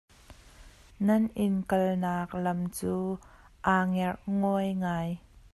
Nan inn kalnak lam cu aa ngerhnguai ngai.